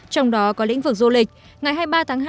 trong đó có lĩnh vực du lịch